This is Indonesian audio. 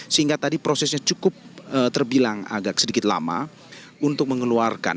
sehingga tadi prosesnya cukup terbilang agak sedikit lama untuk mengeluarkan